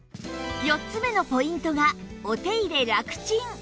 ４つ目のポイントがお手入れラクチン